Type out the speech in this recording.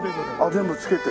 全部つけて。